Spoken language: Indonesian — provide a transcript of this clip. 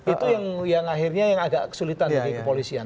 itu yang akhirnya yang agak kesulitan bagi kepolisian